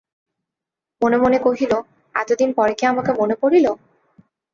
মনে মনে কহিল, এতদিন পরে কি আমাকে মনে পড়িল?